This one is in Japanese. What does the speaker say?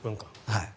はい。